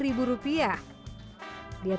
diet permatasari bandung